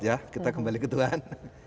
ya kita kembali ke tuhan